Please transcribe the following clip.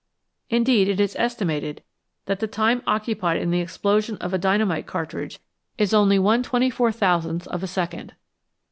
Indeed, it is estimated that the time occupied in the explosion of a dynamite cartridge is only ^T^UTT of a second.